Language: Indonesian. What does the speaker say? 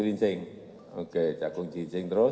binjai oke binjai terus